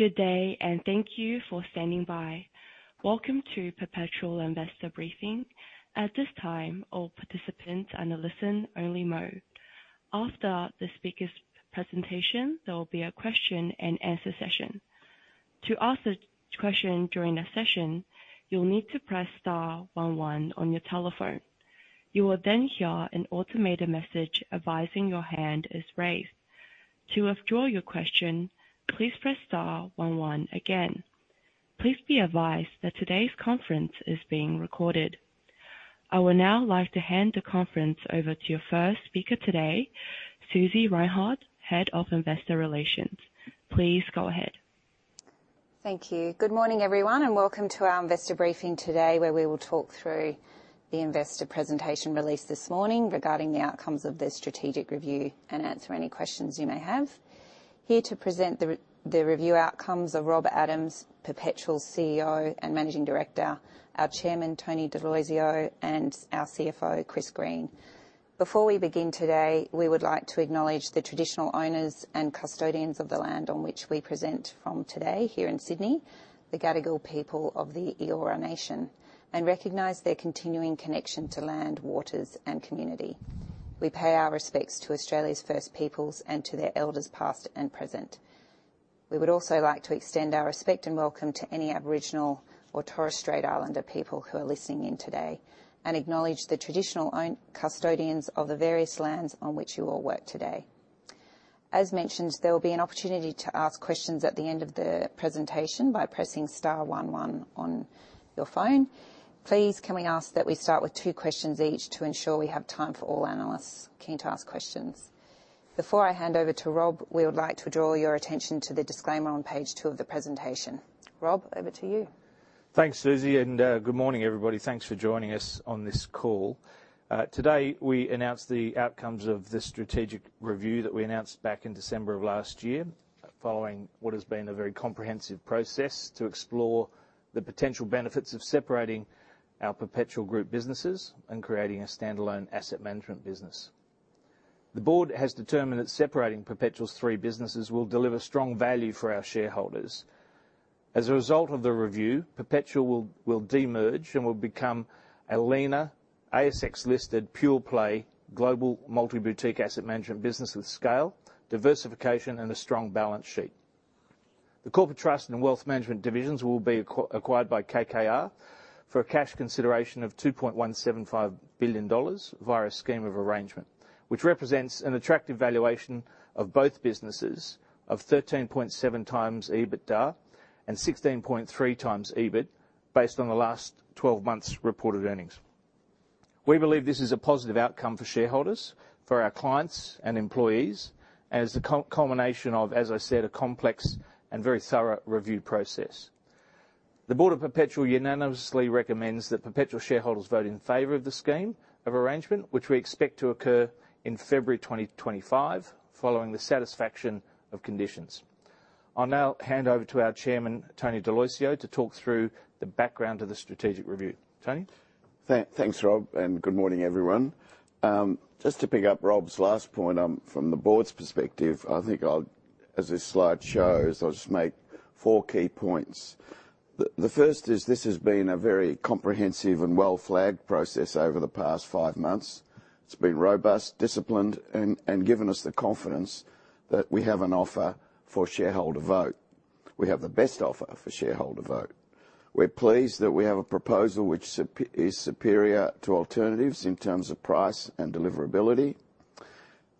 Good day, and thank you for standing by. Welcome to Perpetual Investor Briefing. At this time, all participants are in a listen-only mode. After the speakers' presentation, there will be a question-and-answer session. To ask a question during the session, you'll need to press star one one on your telephone. You will then hear an automated message advising your hand is raised. To withdraw your question, please press star one one again. Please be advised that today's conference is being recorded. I would now like to hand the conference over to your first speaker today, Susie Reinhardt, Head of Investor Relations. Please go ahead. Thank you. Good morning, everyone, and welcome to our investor briefing today, where we will talk through the investor presentation released this morning regarding the outcomes of the strategic review, and answer any questions you may have. Here to present the review outcomes are Rob Adams, Perpetual CEO and Managing Director, our chairman, Tony D'Aloisio, and our CFO, Chris Green. Before we begin today, we would like to acknowledge the traditional owners and custodians of the land on which we present from today here in Sydney, the Gadigal people of the Eora Nation, and recognize their continuing connection to land, waters, and community. We pay our respects to Australia's First Peoples and to their elders, past and present. We would also like to extend our respect and welcome to any Aboriginal or Torres Strait Islander people who are listening in today, and acknowledge the traditional own... Custodians of the various lands on which you all work today. As mentioned, there will be an opportunity to ask questions at the end of the presentation by pressing star one one on your phone. Please, can we ask that we start with two questions each to ensure we have time for all analysts keen to ask questions? Before I hand over to Rob, we would like to draw your attention to the disclaimer on page two of the presentation. Rob, over to you. Thanks, Susie, and good morning, everybody. Thanks for joining us on this call. Today, we announce the outcomes of the strategic review that we announced back in December of last year, following what has been a very comprehensive process to explore the potential benefits of separating our Perpetual Group businesses and creating a standalone asset management business. The board has determined that separating Perpetual's three businesses will deliver strong value for our shareholders. As a result of the review, Perpetual will de-merge and will become a leaner, ASX-listed, pure-play, global multi-boutique asset management business with scale, diversification, and a strong balance sheet. The corporate trust and wealth management divisions will be acquired by KKR for a cash consideration of 2.175 billion dollars via a scheme of arrangement, which represents an attractive valuation of both businesses of 13.7x EBITDA and 16.3x EBIT, based on the last12 months' reported earnings. We believe this is a positive outcome for shareholders, for our clients and employees, as the culmination of, as I said, a complex and very thorough review process. The Board of Perpetual unanimously recommends that Perpetual shareholders vote in favor of the scheme of arrangement, which we expect to occur in February 2025, following the satisfaction of conditions. I'll now hand over to our Chairman, Tony D'Aloisio, to talk through the background of the strategic review. Tony? Thanks, Rob, and good morning, everyone. Just to pick up Rob's last point, from the board's perspective, I think I'll... As this slide shows, I'll just make four key points. The first is, this has been a very comprehensive and well-flagged process over the past five months. It's been robust, disciplined, and given us the confidence that we have an offer for shareholder vote. We have the best offer for shareholder vote. We're pleased that we have a proposal which is superior to alternatives in terms of price and deliverability.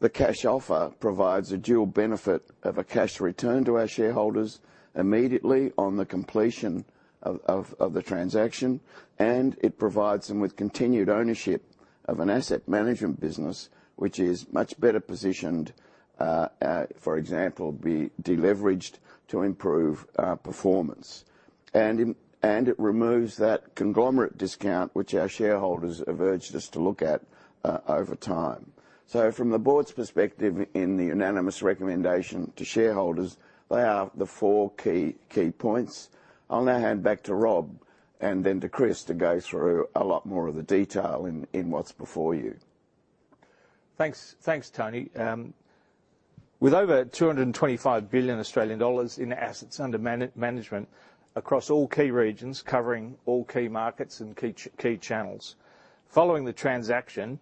The cash offer provides a dual benefit of a cash return to our shareholders immediately on the completion of the transaction, and it provides them with continued ownership of an asset management business, which is much better positioned, for example, be de-leveraged to improve performance. And it removes that conglomerate discount, which our shareholders have urged us to look at over time. From the board's perspective in the unanimous recommendation to shareholders, they are the four key points. I'll now hand back to Rob, and then to Chris, to go through a lot more of the detail in what's before you. Thanks, thanks, Tony. With over 225 billion Australian dollars in assets under management across all key regions, covering all key markets and key channels, following the transaction,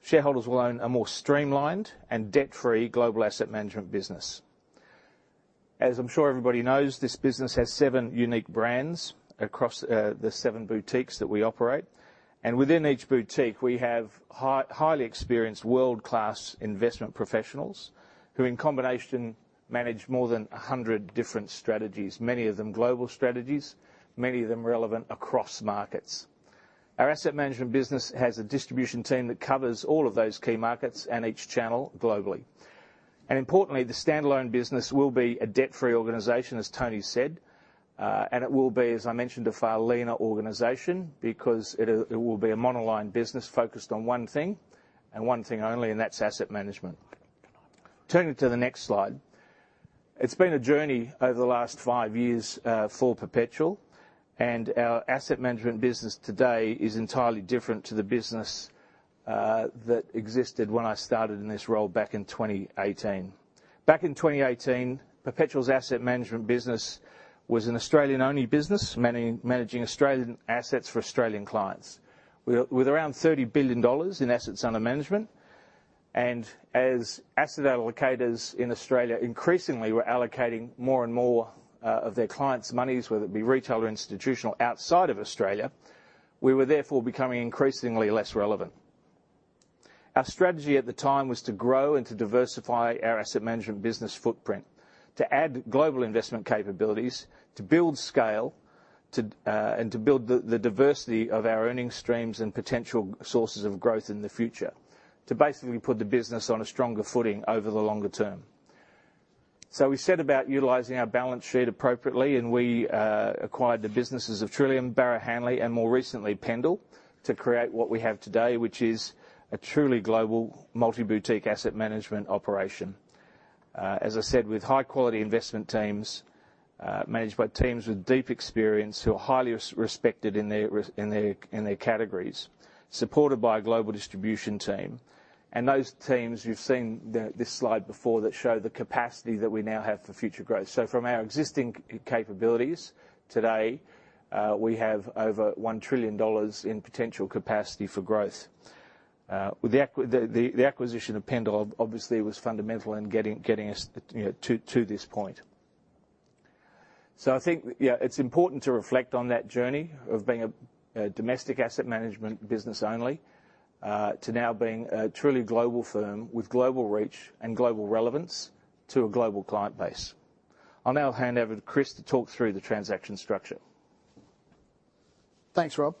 shareholders will own a more streamlined and debt-free global asset management business. As I'm sure everybody knows, this business has seven unique brands across, the seven boutiques that we operate, and within each boutique, we have highly experienced, world-class investment professionals, who, in combination, manage more than 100 different strategies, many of them global strategies, many of them relevant across markets. Our asset management business has a distribution team that covers all of those key markets and each channel globally. Importantly, the standalone business will be a debt-free organization, as Tony said, and it will be, as I mentioned before, a leaner organization because it will be a monoline business focused on one thing and one thing only, and that's asset management. Turning to the next slide, it's been a journey over the last five years for Perpetual, and our asset management business today is entirely different to the business that existed when I started in this role back in 2018. Back in 2018, Perpetual's asset management business was an Australian-only business, managing Australian assets for Australian clients. With around 30 billion dollars in assets under management, and as asset allocators in Australia increasingly were allocating more and more of their clients' monies, whether it be retail or institutional, outside of Australia, we were therefore becoming increasingly less relevant. Our strategy at the time was to grow and to diversify our asset management business footprint, to add global investment capabilities, to build scale, and to build the diversity of our earnings streams and potential sources of growth in the future, to basically put the business on a stronger footing over the longer term. So we set about utilizing our balance sheet appropriately, and we acquired the businesses of Trillium, Barrow Hanley, and more recently, Pendal, to create what we have today, which is a truly global multi-boutique asset management operation. As I said, with high-quality investment teams, managed by teams with deep experience, who are highly respected in their respective categories, supported by a global distribution team. And those teams, you've seen this slide before, that show the capacity that we now have for future growth. So from our existing capabilities today, we have over 1 trillion dollars in potential capacity for growth. With the acquisition of Pendal obviously was fundamental in getting us, you know, to this point. So I think, yeah, it's important to reflect on that journey of being a domestic asset management business only to now being a truly global firm with global reach and global relevance to a global client base. I'll now hand over to Chris to talk through the transaction structure. Thanks, Rob.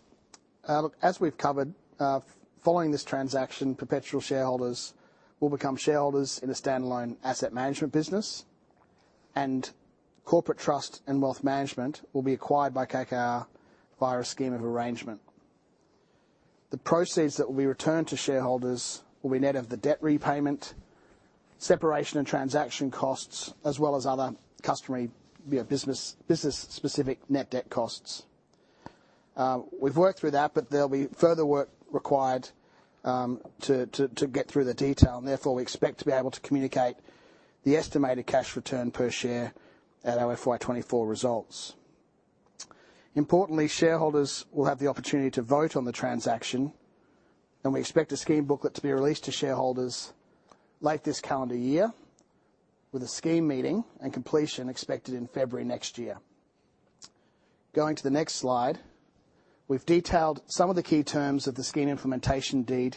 Look, as we've covered, following this transaction, Perpetual shareholders will become shareholders in a standalone asset management business, and Corporate Trust and Wealth Management will be acquired by KKR via a scheme of arrangement. The proceeds that will be returned to shareholders will be net of the debt repayment, separation and transaction costs, as well as other customary, you know, business, business-specific net debt costs. We've worked through that, but there'll be further work required to get through the detail, and therefore, we expect to be able to communicate the estimated cash return per share at our FY 2024 results. Importantly, shareholders will have the opportunity to vote on the transaction, and we expect a scheme booklet to be released to shareholders late this calendar year, with a scheme meeting and completion expected in February next year. Going to the next slide, we've detailed some of the key terms of the scheme implementation deed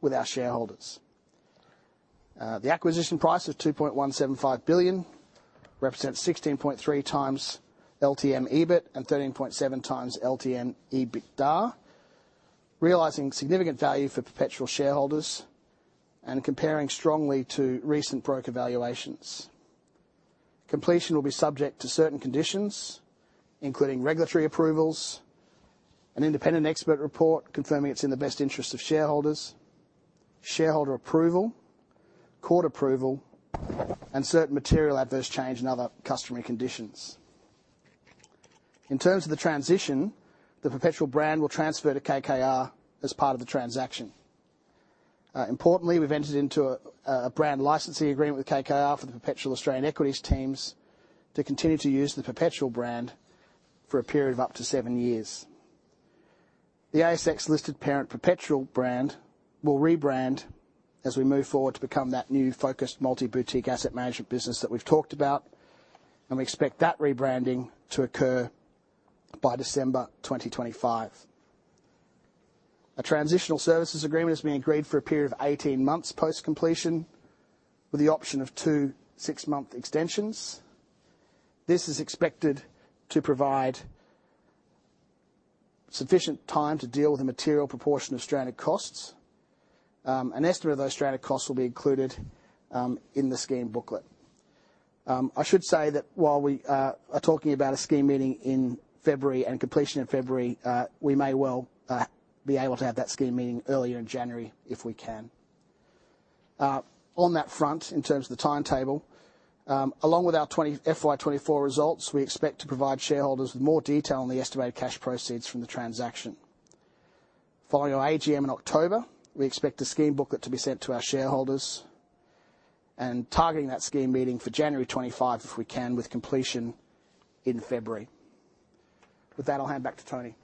with our shareholders. The acquisition price of 2.175 billion represents 16.3x LTM EBIT and 13.7x LTM EBITDA, realizing significant value for Perpetual shareholders and comparing strongly to recent broker valuations. Completion will be subject to certain conditions, including regulatory approvals, an independent expert report confirming it's in the best interest of shareholders, shareholder approval, court approval, and certain material adverse change in other customary conditions. In terms of the transition, the Perpetual brand will transfer to KKR as part of the transaction. Importantly, we've entered into a brand licensing agreement with KKR for the Perpetual Australian Equities teams to continue to use the Perpetual brand for a period of up to seven years. The ASX-listed parent Perpetual brand will rebrand as we move forward to become that new focused, multi-boutique asset management business that we've talked about, and we expect that rebranding to occur by December 2025. A transitional services agreement is being agreed for a period of 18 months post-completion, with the option of two, six-month extensions. This is expected to provide sufficient time to deal with a material proportion of stranded costs. An estimate of those stranded costs will be included, in the scheme booklet. I should say that while we are talking about a scheme meeting in February and completion in February, we may well be able to have that scheme meeting earlier in January, if we can. On that front, in terms of the timetable, along with our FY 2024 results, we expect to provide shareholders with more detail on the estimated cash proceeds from the transaction. Following our AGM in October, we expect the scheme booklet to be sent to our shareholders and targeting that scheme meeting for January 25, if we can, with completion in February. With that, I'll hand back to Tony.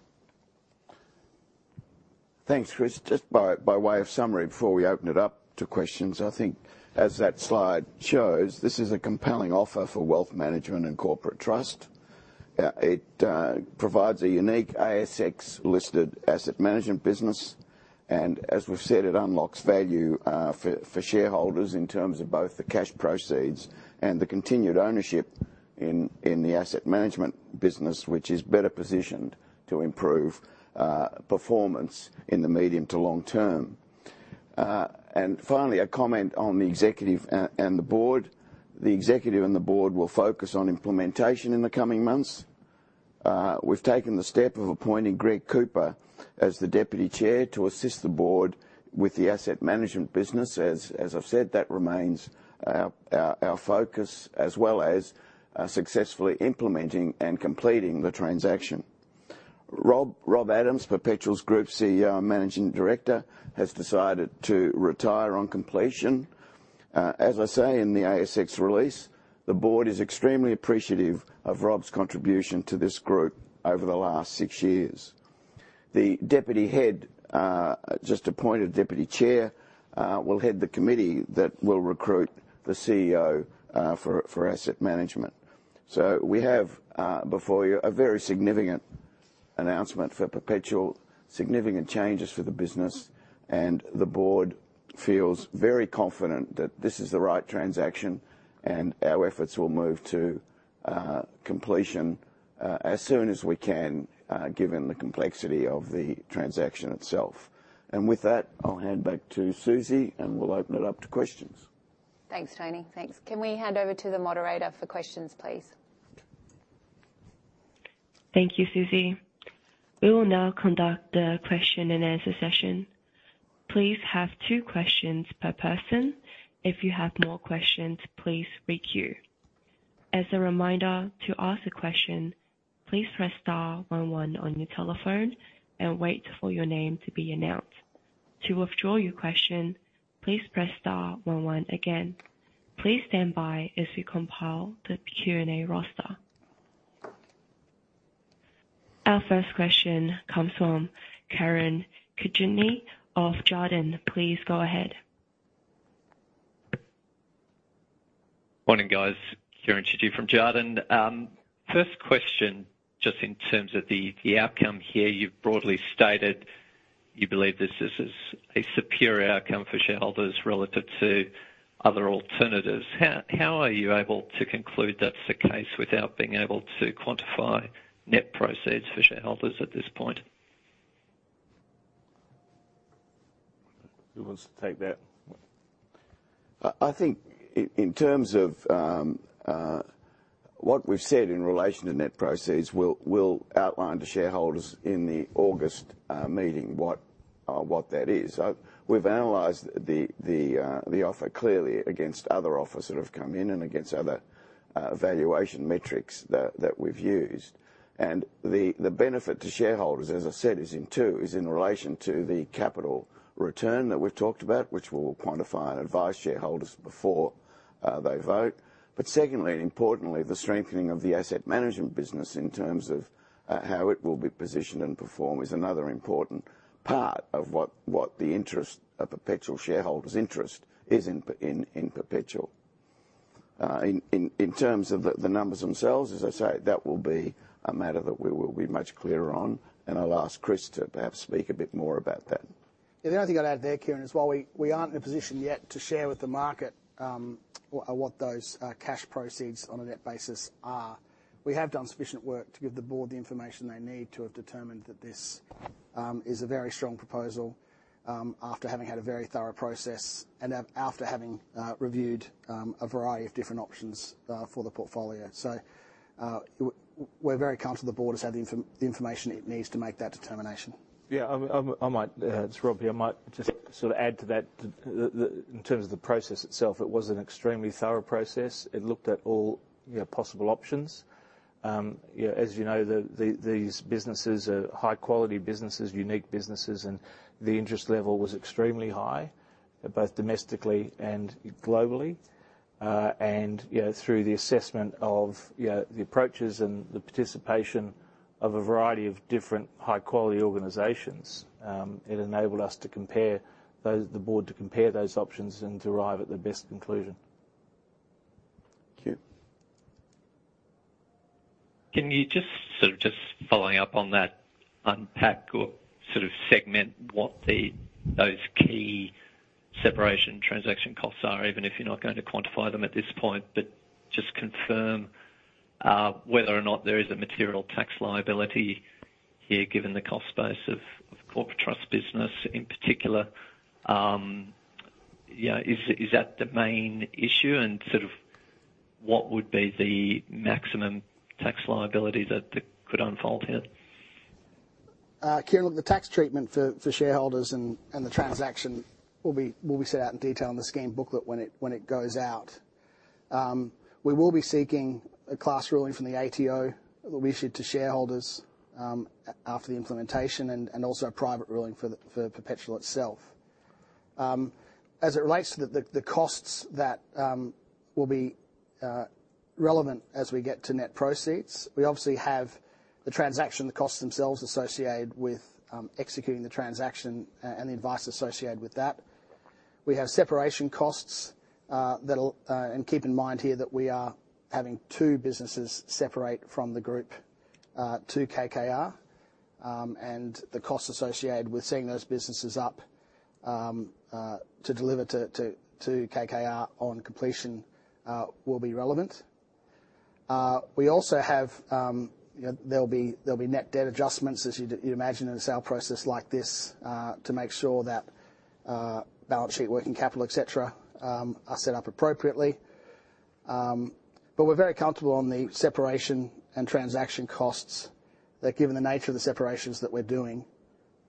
Thanks, Chris. Just by, by way of summary, before we open it up to questions, I think as that slide shows, this is a compelling offer for wealth management and corporate trust. It provides a unique ASX-listed asset management business, and as we've said, it unlocks value for shareholders in terms of both the cash proceeds and the continued ownership in the asset management business, which is better positioned to improve performance in the medium to long term. And finally, a comment on the executive and the board. The executive and the board will focus on implementation in the coming months. We've taken the step of appointing Greg Cooper as the deputy chair to assist the board with the asset management business. As I've said, that remains our focus, as well as successfully implementing and completing the transaction. ... Rob, Rob Adams, Perpetual's Group CEO and Managing Director, has decided to retire on completion. As I say in the ASX release, the board is extremely appreciative of Rob's contribution to this group over the last six years. The deputy head, just appointed deputy chair, will head the committee that will recruit the CEO for asset management. So we have, before you, a very significant announcement for Perpetual, significant changes for the business, and the board feels very confident that this is the right transaction, and our efforts will move to completion as soon as we can, given the complexity of the transaction itself. And with that, I'll hand back to Susie, and we'll open it up to questions. Thanks, Tony. Thanks. Can we hand over to the moderator for questions, please? Thank you, Susie. We will now conduct the question-and-answer session. Please have two questions per person. If you have more questions, please re-queue. As a reminder, to ask a question, please press star one one on your telephone and wait for your name to be announced. To withdraw your question, please press star one one again. Please stand by as we compile the Q&A roster. Our first question comes from Kieran of Jarden. Please go ahead. Morning, guys. Kieran from Jarden. First question, just in terms of the outcome here, you've broadly stated you believe this is a superior outcome for shareholders relative to other alternatives. How are you able to conclude that's the case without being able to quantify net proceeds for shareholders at this point? Who wants to take that? I think in terms of what we've said in relation to net proceeds, we'll outline to shareholders in the August meeting what that is. We've analyzed the offer clearly against other offers that have come in and against other valuation metrics that we've used. And the benefit to shareholders, as I said, is in two: is in relation to the capital return that we've talked about, which we'll quantify and advise shareholders before they vote. But secondly, and importantly, the strengthening of the asset management business in terms of how it will be positioned and perform is another important part of what the interest, a Perpetual shareholder's interest is in Perpetual. In terms of the numbers themselves, as I say, that will be a matter that we will be much clearer on, and I'll ask Chris to perhaps speak a bit more about that. The only thing I'd add there, Kieran, is while we aren't in a position yet to share with the market what those cash proceeds on a net basis are, we have done sufficient work to give the board the information they need to have determined that this is a very strong proposal, after having had a very thorough process and after having reviewed a variety of different options for the portfolio. So, we're very comfortable the board has had the information it needs to make that determination. Yeah, I might, it's Rob here, I might just sort of add to that. In terms of the process itself, it was an extremely thorough process. It looked at all, you know, possible options. Yeah, as you know, these businesses are high-quality businesses, unique businesses, and the interest level was extremely high, both domestically and globally. And, you know, through the assessment of the approaches and the participation of a variety of different high-quality organizations, it enabled us to compare those, the board, to compare those options and to arrive at the best conclusion. Thank you. Can you just, sort of just following up on that, unpack or sort of segment what the, those key separation transaction costs are, even if you're not going to quantify them at this point, but just confirm whether or not there is a material tax liability here, given the cost base of corporate trust business in particular? Yeah, is that the main issue, and sort of what would be the maximum tax liability that could unfold here? Kieran, the tax treatment for shareholders and the transaction will be set out in detail in the scheme booklet when it goes out. We will be seeking a class ruling from the ATO that will be issued to shareholders after the implementation and also a private ruling for Perpetual itself. As it relates to the costs that will be relevant as we get to net proceeds, we obviously have the transaction costs themselves associated with executing the transaction and the advice associated with that. We have separation costs that'll... Keep in mind here that we are having two businesses separate from the group to KKR, and the costs associated with setting those businesses up to deliver to KKR on completion will be relevant. We also have, you know, there'll be net debt adjustments, as you'd imagine in a sale process like this, to make sure that balance sheet, working capital, et cetera, are set up appropriately. But we're very comfortable on the separation and transaction costs, that given the nature of the separations that we're doing,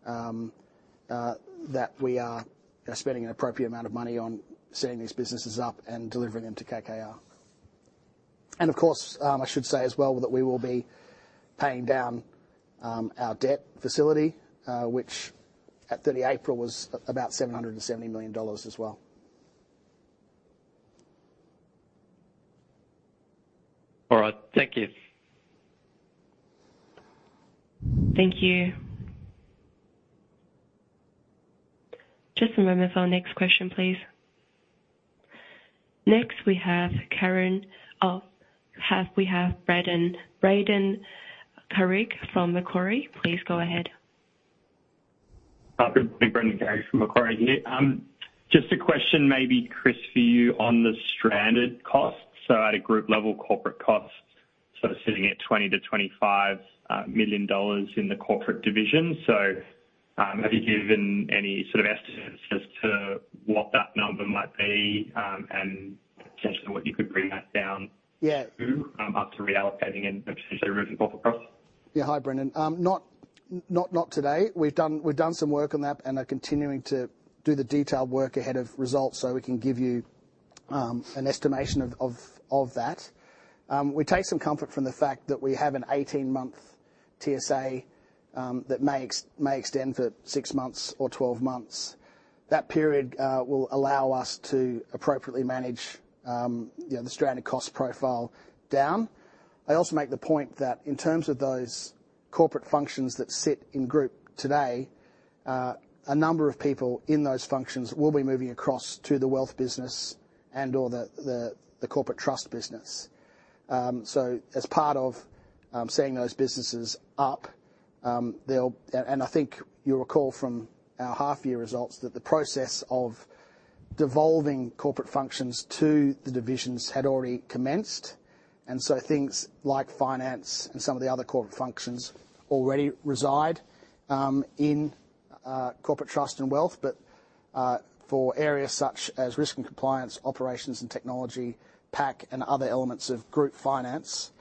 that we are spending an appropriate amount of money on setting these businesses up and delivering them to KKR. Of course, I should say as well that we will be paying down our debt facility, which at 30 April was about 770 million dollars as well. All right, thank you. Thank you. Just a moment for our next question, please. Next, we have Brendan, Brendan Carrig from Macquarie. Please go ahead. Good morning, Brendan Carrig from Macquarie here. Just a question, maybe, Chris, for you, on the stranded costs. So at a group level, corporate costs sort of sitting at 20 million- 25 million dollars in the corporate division. So, have you given any sort of estimates as to what that number might be, and potentially what you could bring that down? Yeah. After reallocating and potentially removing corporate costs? Yeah. Hi, Brendan. Not today. We've done some work on that and are continuing to do the detailed work ahead of results, so we can give you an estimation of that. We take some comfort from the fact that we have an 18-month TSA that may extend for six months or 12 months. That period will allow us to appropriately manage, you know, the stranded cost profile down. I'd also make the point that in terms of those corporate functions that sit in group today, a number of people in those functions will be moving across to the wealth business and/or the corporate trust business. So as part of setting those businesses up, they'll... I think you'll recall from our half-year results, that the process of devolving corporate functions to the divisions had already commenced. And so things like finance and some of the other corporate functions already reside in corporate trust and wealth. But, for areas such as risk and compliance, operations and technology, P&C and other elements of group finance,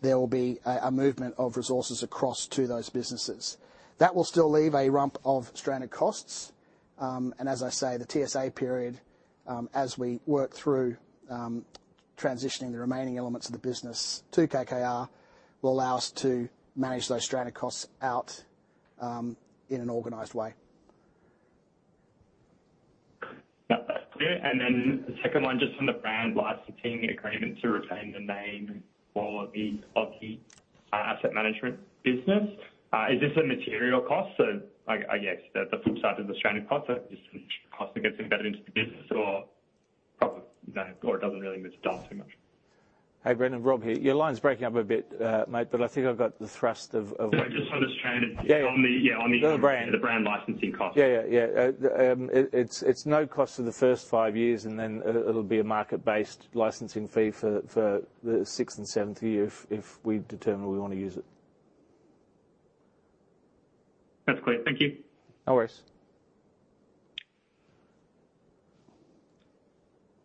there will be a movement of resources across to those businesses. That will still leave a rump of stranded costs. And as I say, the TSA period, as we work through transitioning the remaining elements of the business to KKR, will allow us to manage those stranded costs out in an organized way. Yeah, that's clear. And then the second one, just on the brand licensing agreement to retain the name for the asset management business. Is this a material cost? So I guess the flip side of the stranded cost is cost that gets embedded into the business or probably, no, or it doesn't really move down too much. Hey, Brendan, Rob here. Your line's breaking up a bit, mate, but I think I've got the thrust of what- Just on the stranded- Yeah. On the, yeah, on the- On the brand. the brand licensing cost. Yeah, yeah, yeah. It's no cost for the first five years, and then it'll be a market-based licensing fee for the sixth and seventh year if we determine we want to use it. That's great. Thank you. No worries.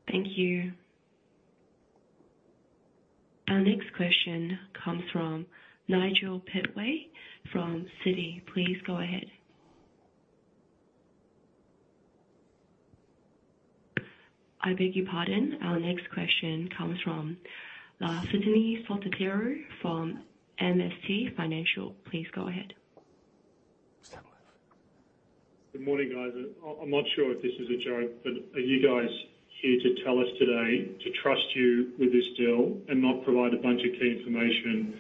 Thank you. Our next question comes from Nigel Pittaway from Citi. Please go ahead. I beg your pardon. Our next question comes from Lafitani Sotiriou from MST Financial. Please go ahead. Good morning, guys. I, I'm not sure if this is a joke, but are you guys here to tell us today to trust you with this deal and not provide a bunch of key information?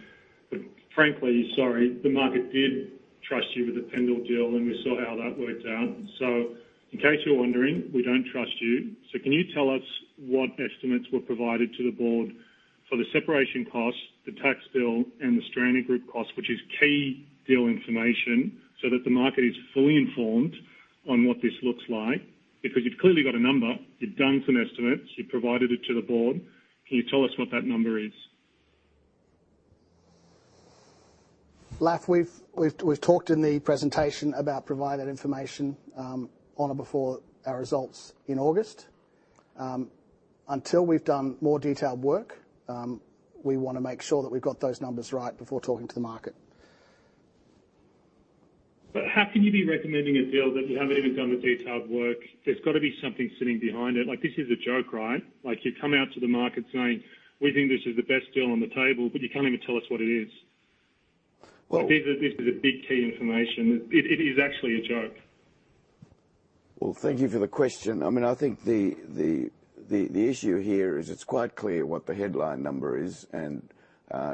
But frankly, sorry, the market did trust you with the Pendal deal, and we saw how that worked out. So in case you're wondering, we don't trust you. So can you tell us what estimates were provided to the board for the separation costs, the tax bill, and the stranded group cost, which is key deal information, so that the market is fully informed on what this looks like? Because you've clearly got a number. You've done some estimates. You've provided it to the board. Can you tell us what that number is? Laf, we've talked in the presentation about providing information on or before our results in August. Until we've done more detailed work, we wanna make sure that we've got those numbers right before talking to the market. But how can you be recommending a deal that you haven't even done the detailed work? There's got to be something sitting behind it. Like, this is a joke, right? Like, you come out to the market saying: We think this is the best deal on the table, but you can't even tell us what it is. Well- This is a big key information. It is actually a joke. Well, thank you for the question. I mean, I think the issue here is it's quite clear what the headline number is, and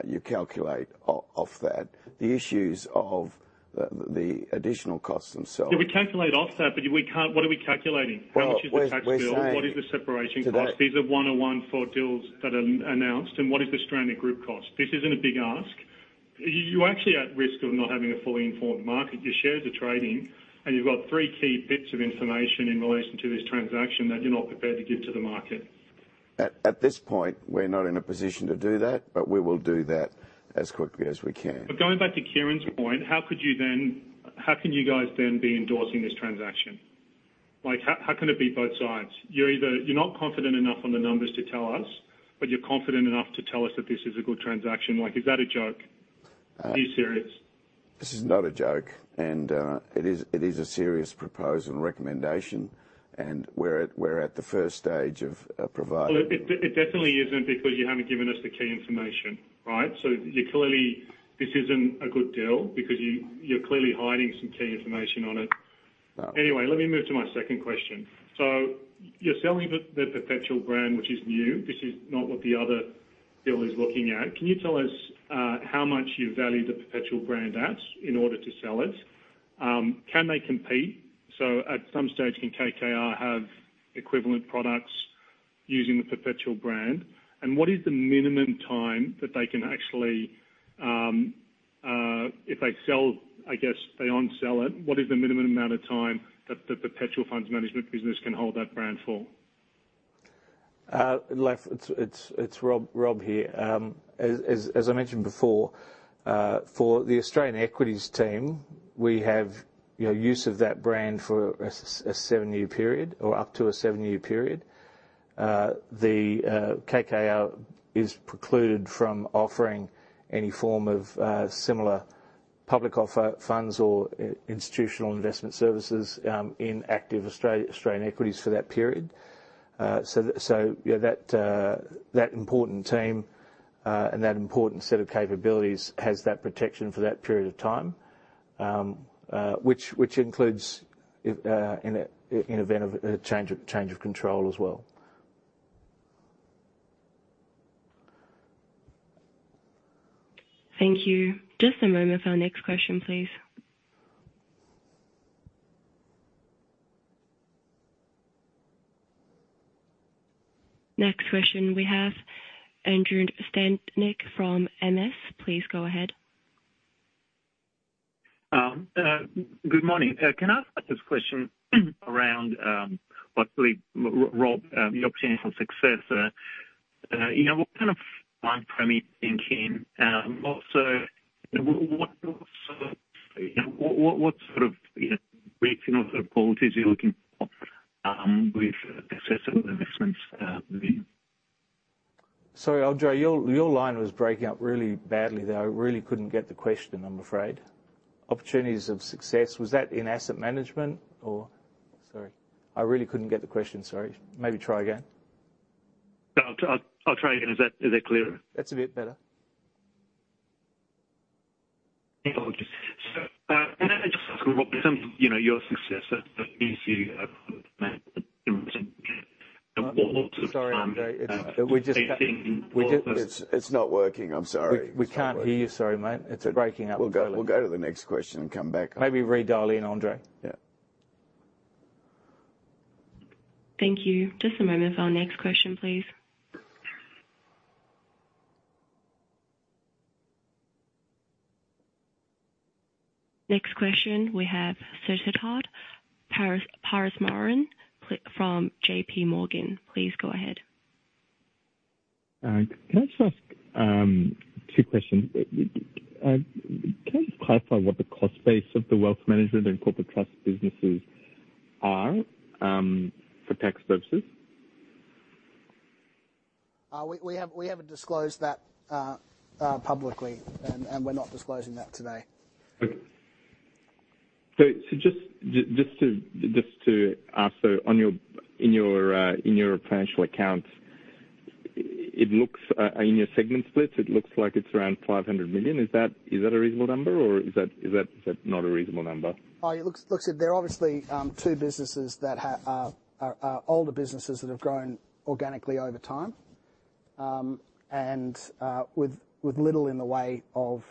you calculate off that. The issues of the additional costs themselves- Yeah, we calculate off that, but we can't... What are we calculating? Well, we're saying- How much is the tax bill? What is the separation cost? These are one-on-one for deals that are announced, and what is the stranded group cost? This isn't a big ask. You, you're actually at risk of not having a fully informed market. Your shares are trading, and you've got three key bits of information in relation to this transaction that you're not prepared to give to the market. At this point, we're not in a position to do that, but we will do that as quickly as we can. But going back to Kieran's point, how could you then, how can you guys then be endorsing this transaction? Like, how, how can it be both sides? You're either, you're not confident enough on the numbers to tell us, but you're confident enough to tell us that this is a good transaction. Like, is that a joke?... Are you serious? This is not a joke, and it is a serious proposal and recommendation, and we're at the first stage of providing- Well, it definitely isn't because you haven't given us the key information, right? So you clearly... This isn't a good deal because you're clearly hiding some key information on it. Uh- Anyway, let me move to my second question. So you're selling the Perpetual brand, which is new. This is not what the other deal is looking at. Can you tell us how much you value the Perpetual brand as in order to sell it? Can they compete? So at some stage, can KKR have equivalent products using the Perpetual brand? And what is the minimum time that they can actually, if they sell, I guess they onsell it, what is the minimum amount of time that the Perpetual funds management business can hold that brand for? Laf, it's Rob here. As I mentioned before, for the Australian Equities team, we have, you know, use of that brand for a seven-year period or up to a seven-year period. The KKR is precluded from offering any form of similar public offer funds or institutional investment services in active Australian equities for that period. So, yeah, that important team and that important set of capabilities has that protection for that period of time, which includes if in an event of a change of control as well. Thank you. Just a moment for our next question, please. Next question, we have Andrei Stadnik from MS. Please go ahead. Good morning. Can I ask this question around what really, Rob, the opportunity for success? You know, what kind of timeframe are you thinking? Also, what also, you know, what sort of briefing or sort of qualities are you looking for with successful investments moving? Sorry, Andre, your line was breaking up really badly there. I really couldn't get the question, I'm afraid. Opportunities of success, was that in asset management or... Sorry, I really couldn't get the question. Sorry. Maybe try again. I'll try again. Is that clearer? That's a bit better. Okay. So, can I just ask, Rob, you know, your successor, you see, Sorry, Andre. We just can't- I think- It's, it's not working. I'm sorry. We can't hear you. Sorry, mate. It's breaking up. We'll go, we'll go to the next question and come back. Maybe redial in, Andre. Yeah. Thank you. Just a moment for our next question, please. Next question we have Siddharth Parameswaran from JPMorgan. Please go ahead. Can I just ask two questions? Can you clarify what the cost base of the wealth management and corporate trust businesses are for tax purposes? We, we have, we haven't disclosed that publicly, and, and we're not disclosing that today. Okay. So just to ask, in your financial accounts, it looks... In your segment splits, it looks like it's around 500 million. Is that a reasonable number, or is that not a reasonable number? It looks like it. There are obviously two businesses that are older businesses that have grown organically over time, and with little in the way of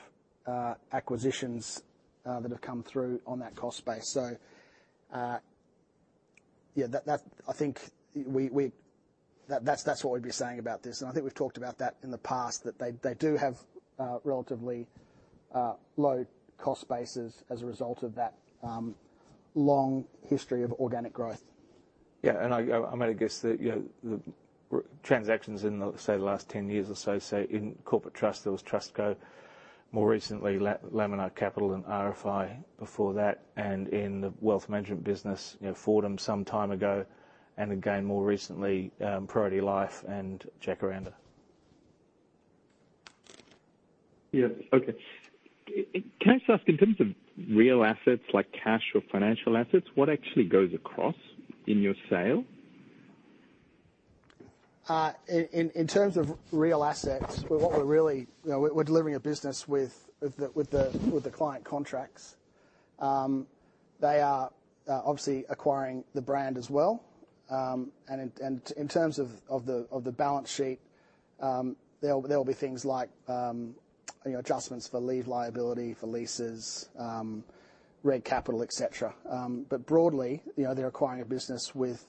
acquisitions that have come through on that cost base. So, yeah... That's what we'd be saying about this. And I think we've talked about that in the past, that they do have relatively low cost bases as a result of that long history of organic growth. Yeah, and I might add, I guess that, you know, the transactions in the, say, the last 10 years or so, say, in corporate trust, there was Trustco, more recently, Laminar Capital and [RFI] before that, and in the wealth management business, you know, Fordham some time ago, and again, more recently, Priority Life and Jacaranda. Yeah. Okay. Can I just ask, in terms of real assets, like cash or financial assets, what actually goes across in your sale? In terms of real assets, what we're really... You know, we're delivering a business with the client contracts. They are obviously acquiring the brand as well. And in terms of the balance sheet, there will be things like, you know, adjustments for leave liability, for leases, reg capital, et cetera. But broadly, you know, they're acquiring a business with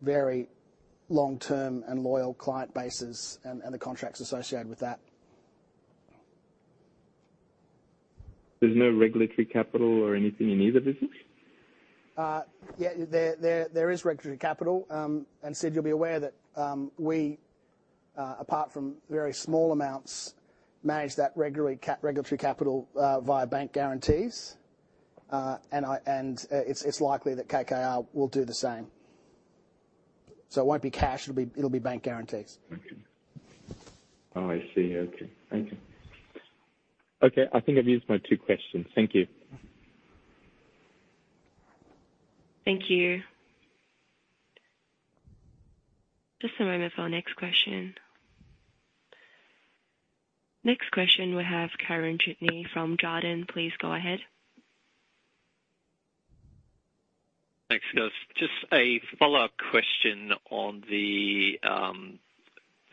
very long-term and loyal client bases and the contracts associated with that. There's no regulatory capital or anything in either business? Yeah, there is regulatory capital. And Sid, you'll be aware that we, apart from very small amounts, manage that regulatory capital via bank guarantees. And it's likely that KKR will do the same. So it won't be cash, it'll be bank guarantees. Okay. Oh, I see. Okay. Thank you. Okay, I think I've used my two questions. Thank you. Thank you. Just a moment for our next question. Next question, we have Kieran Chidgey from Jarden. Please go ahead. Thanks, guys. Just a follow-up question on the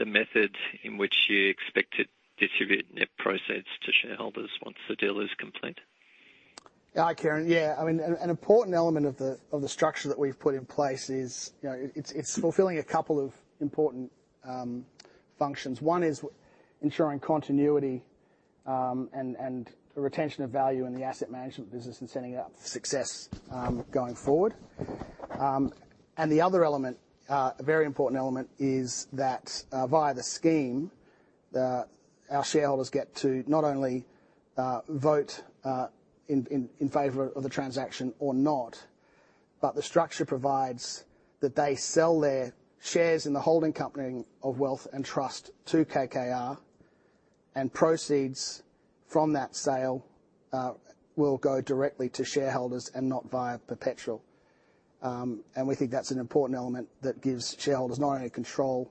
method in which you expect to distribute net proceeds to shareholders once the deal is complete? Hi, Kieran. Yeah, I mean, an important element of the structure that we've put in place is, you know, it's fulfilling a couple of important functions. One is ensuring continuity and retention of value in the asset management business and setting it up for success going forward. And the other element, a very important element, is that via the scheme, our shareholders get to not only vote in favor of the transaction or not, but the structure provides that they sell their shares in the holding company of Wealth and Trust to KKR, and proceeds from that sale will go directly to shareholders and not via Perpetual. We think that's an important element that gives shareholders not only control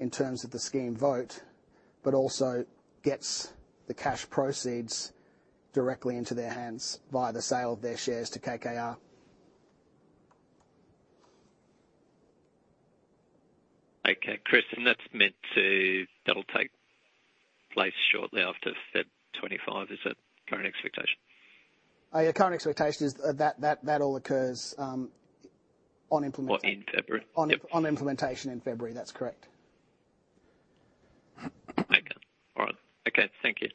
in terms of the scheme vote, but also gets the cash proceeds directly into their hands via the sale of their shares to KKR. Okay, Chris, and that's meant to—that'll take place shortly after February 25. Is that current expectation? Yeah, current expectation is that all occurs on implementation. Or in February? On implementation in February. That's correct. Okay. All right. Okay. Thank you.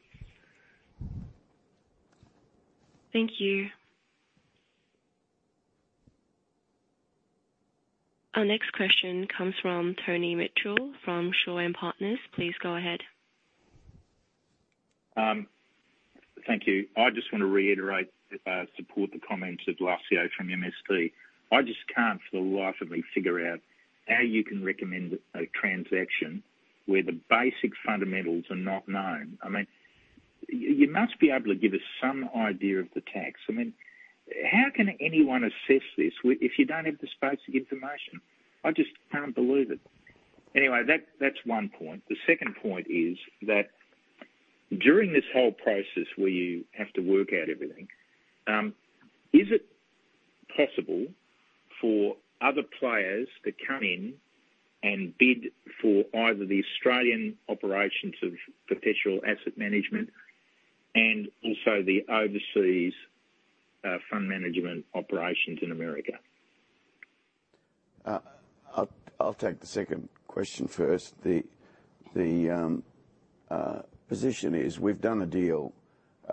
Thank you. Our next question comes from Tony Mitchell, from Shaw and Partners. Please go ahead. Thank you. I just want to reiterate support for the comments of Laf from MST. I just can't for the life of me figure out how you can recommend a transaction where the basic fundamentals are not known. I mean, you must be able to give us some idea of the tax. I mean, how can anyone assess this if you don't have the basic information? I just can't believe it. Anyway, that's one point. The second point is that during this whole process where you have to work out everything, is it possible for other players to come in and bid for either the Australian operations of Perpetual Asset Management and also the overseas fund management operations in America? I'll take the second question first. The position is we've done a deal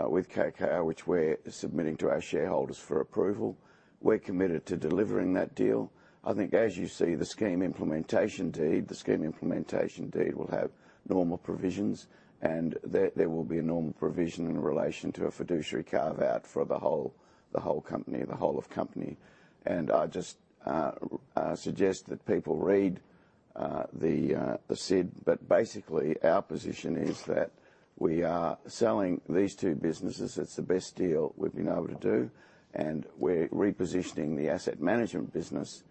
with KKR, which we're submitting to our shareholders for approval. We're committed to delivering that deal. I think as you see, the scheme implementation deed will have normal provisions, and there will be a normal provision in relation to a fiduciary carve-out for the whole company. I just suggest that people read the SID. But basically, our position is that we are selling these two businesses. It's the best deal we've been able to do, and we're repositioning the asset management business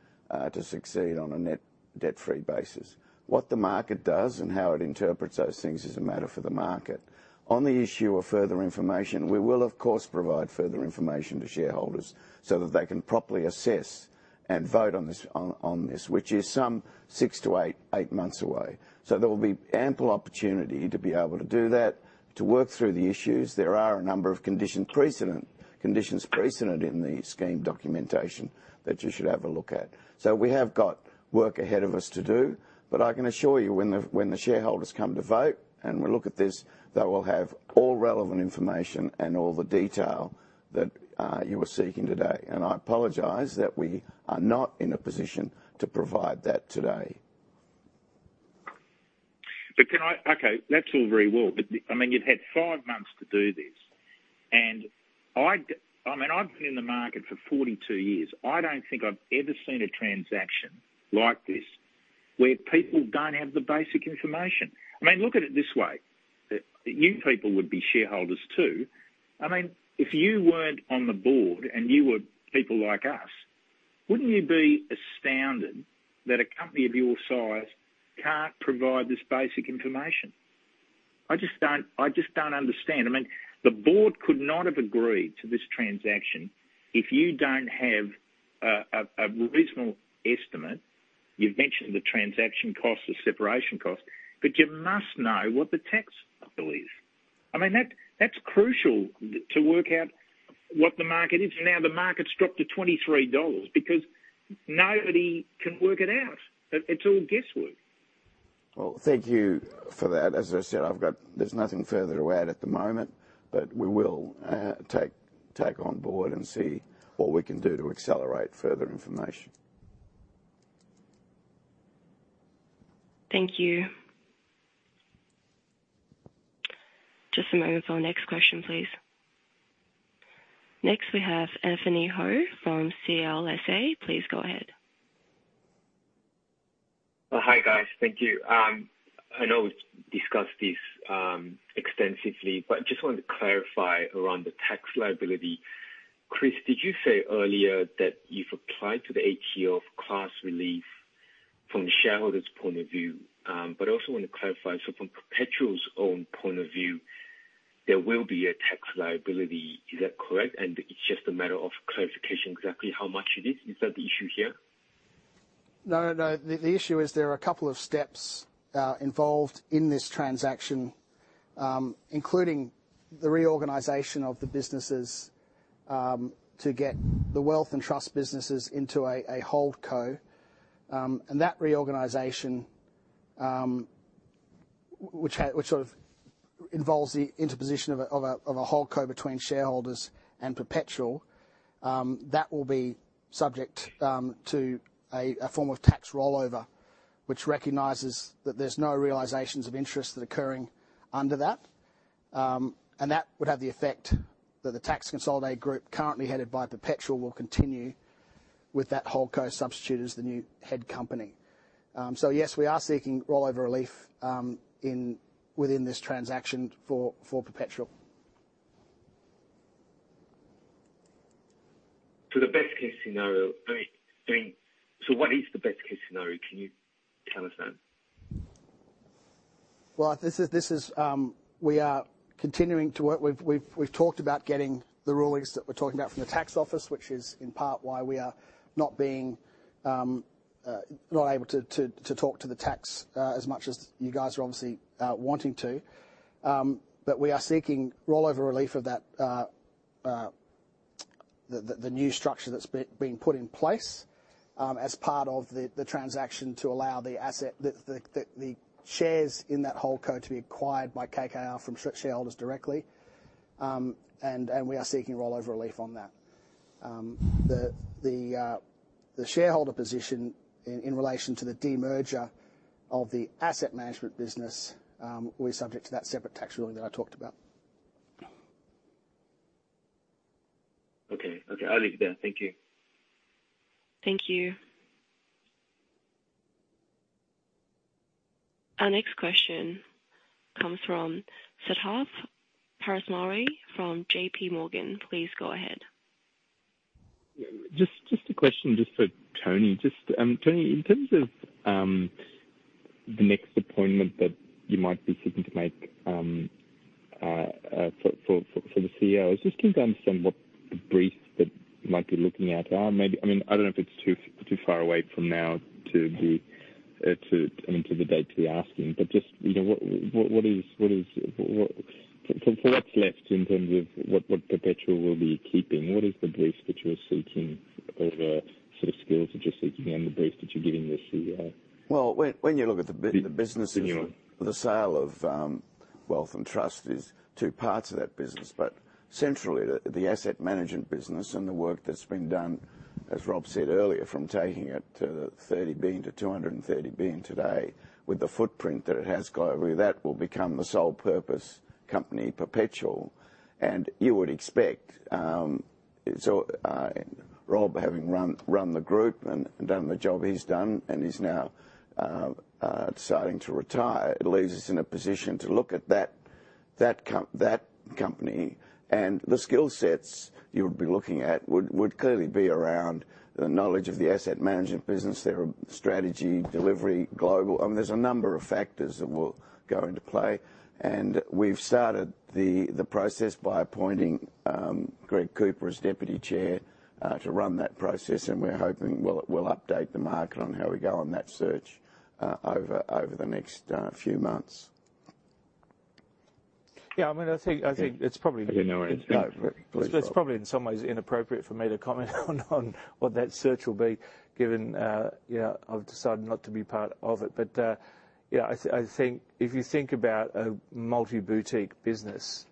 to succeed on a net-debt-free basis. What the market does and how it interprets those things is a matter for the market. On the issue of further information, we will, of course, provide further information to shareholders so that they can properly assess and vote on this, on this, which is some six-8 months away. So there will be ample opportunity to be able to do that, to work through the issues. There are a number of conditions precedent in the scheme documentation that you should have a look at. So we have got work ahead of us to do, but I can assure you when the shareholders come to vote and we look at this, they will have all relevant information and all the detail that you were seeking today. And I apologize that we are not in a position to provide that today. But can I? Okay, that's all very well, but, I mean, you've had five months to do this, and I mean, I've been in the market for 42 years. I don't think I've ever seen a transaction like this where people don't have the basic information. I mean, look at it this way, that you people would be shareholders, too. I mean, if you weren't on the board and you were people like us, wouldn't you be astounded that a company of your size can't provide this basic information? I just don't, I just don't understand. I mean, the board could not have agreed to this transaction if you don't have a reasonable estimate. You've mentioned the transaction cost, the separation cost, but you must know what the tax bill is. I mean, that's crucial to work out what the market is. Now, the market's dropped to 23 dollars because nobody can work it out. It's all guesswork. Well, thank you for that. As I said, I've got... There's nothing further to add at the moment, but we will take on board and see what we can do to accelerate further information. Thank you.... Just a moment for our next question, please. Next, we have Ed Henning from CLSA. Please go ahead. Hi, guys. Thank you. I know we've discussed this extensively, but just wanted to clarify around the tax liability. Chris, did you say earlier that you've applied to the ATO for class relief from the shareholder's point of view? But I also want to clarify, so from Perpetual's own point of view, there will be a tax liability. Is that correct? And it's just a matter of clarification, exactly how much it is. Is that the issue here? No, no. The issue is there are a couple of steps involved in this transaction, including the reorganization of the businesses, to get the wealth and trust businesses into a holdco. And that reorganization, which sort of involves the interposition of a holdco between shareholders and Perpetual, that will be subject to a form of tax rollover, which recognizes that there's no realizations of interest that are occurring under that. And that would have the effect that the tax consolidated group, currently headed by Perpetual, will continue with that holdco substitute as the new head company. So yes, we are seeking rollover relief within this transaction for Perpetual. So the best case scenario, I mean, I mean, so what is the best case scenario? Can you tell us that? Well, we are continuing to work. We've talked about getting the rulings that we're talking about from the tax office, which is, in part, why we are not being not able to talk to the tax as much as you guys are obviously wanting to. But we are seeking rollover relief of that, the new structure that's being put in place, as part of the transaction to allow the shares in that holdco to be acquired by KKR from shareholders directly. And we are seeking rollover relief on that. The shareholder position in relation to the demerger of the asset management business will be subject to that separate tax ruling that I talked about. Okay. Okay, I'll leave it there. Thank you. Thank you. Our next question comes from Siddharth Parameswaran from JPMorgan. Please go ahead. Just a question just for Tony. Just, Tony, in terms of the next appointment that you might be seeking to make for the CEO, just can you understand what the briefs that you might be looking at are? Maybe, I mean, I don't know if it's too far away from now to be, I mean, to the date to be asking. But just, you know, what is, what is, what... For what's left in terms of what Perpetual will be keeping, what is the brief that you're seeking, or sort of skills that you're seeking on the brief that you're giving your CEO? Well, when you look at the businesses- Continue. -the sale of, wealth and trust is two parts of that business, but centrally, the asset management business and the work that's been done, as Rob said earlier, from taking it to 30 billion-230 billion today, with the footprint that it has globally, that will become the sole purpose company, Perpetual. And you would expect, Rob, having run the group and done the job he's done and he's now deciding to retire, it leaves us in a position to look at that company. And the skill sets you would be looking at would clearly be around the knowledge of the asset management business, their strategy, delivery, global. I mean, there's a number of factors that will go into play, and we've started the process by appointing Greg Cooper as deputy chair to run that process, and we're hoping we'll update the market on how we go on that search over the next few months. Yeah, I mean, I think, I think it's probably- Okay, no worries. No, it's probably in some ways inappropriate for me to comment on what that search will be, given yeah, I've decided not to be part of it. But yeah, I think if you think about a multi-boutique business,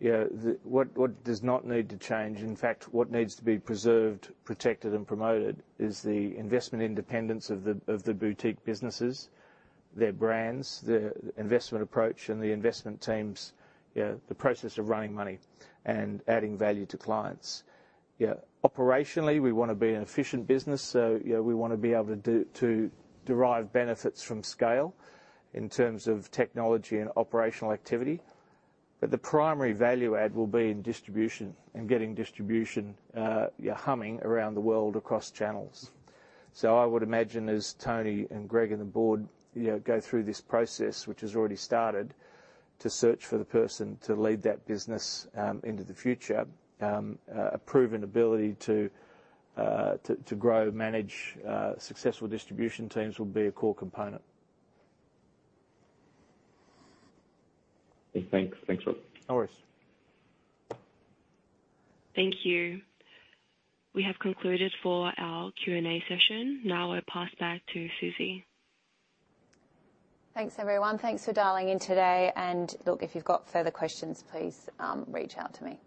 you know, what does not need to change, in fact, what needs to be preserved, protected, and promoted is the investment independence of the boutique businesses, their brands, the investment approach, and the investment teams. You know, the process of running money and adding value to clients. Yeah, operationally, we wanna be an efficient business, so you know, we wanna be able to do to derive benefits from scale in terms of technology and operational activity. But the primary value add will be in distribution and getting distribution humming around the world across channels. So I would imagine, as Tony and Greg and the board, you know, go through this process, which has already started, to search for the person to lead that business into the future, a proven ability to grow, manage successful distribution teams will be a core component. Thanks. Thanks, Rob. No worries. Thank you. We have concluded for our Q&A session. Now I pass back to Susie. Thanks, everyone. Thanks for dialing in today. And look, if you've got further questions, please, reach out to me.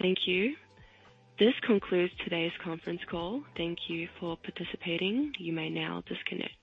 Thank you. This concludes today's conference call. Thank you for participating. You may now disconnect.